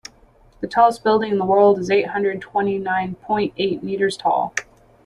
The tallest building in the world is eight hundred twenty nine point eight meters tall.